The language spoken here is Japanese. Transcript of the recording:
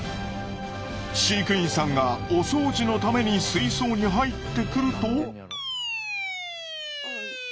飼育員さんがお掃除のために水槽に入ってくると。